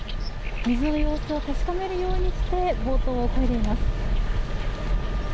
水の様子を確かめるようにしてボートを漕いでいます。